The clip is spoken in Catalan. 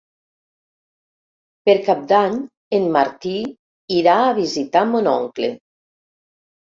Per Cap d'Any en Martí irà a visitar mon oncle.